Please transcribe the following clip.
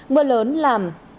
mưa lớn là một mươi ba năm trăm linh